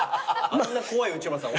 あんな怖い内村さん